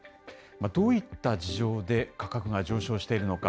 どういった事情で価格が上昇しているのか。